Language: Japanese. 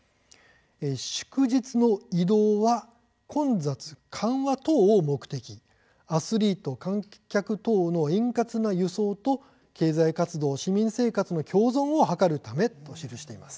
祝日の移動は混雑緩和等を目的アスリート観客等の円滑な輸送と経済活動、市民生活の共存を図るためと記しています。